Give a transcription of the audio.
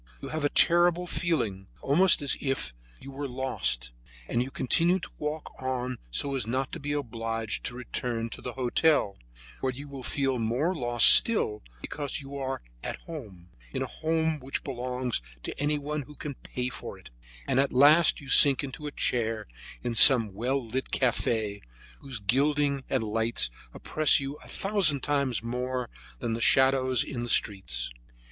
You have a terrible feeling, almost as if you were lost, and you continue to walk on so as not to be obliged to return to the hotel, where you would feel more lost still because you are at home, in a home which belongs to anyone who can pay for it; and at last you sink into a chair of some well lighted cafe, whose gilding and lights oppress you a thousand times more than the shadows in the streets.